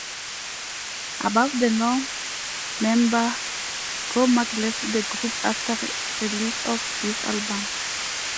Above the Law member Go Mack left the group after release of this album.